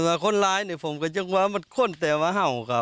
แต่คนร้ายผมก็ยังว่ามันคนแต่ว่าว้าวค่ะ